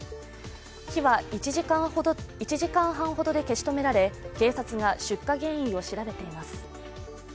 火は１時間半ほどで消し止められ警察が出火原因を調べています。